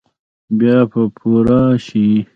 بیا به پوره شي ؟